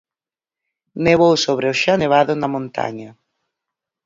Nevou sobre o xa nevado na montaña.